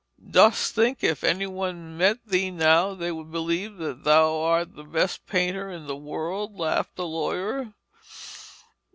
'Dost think if any one met thee now, they would believe that thou art the best painter in the world?' laughed the lawyer.